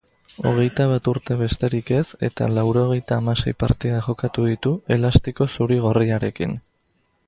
Hogeita bat urte besterik ez eta laurogeita hamasei partida jokatu ditu elastiko zuri-gorriarekin.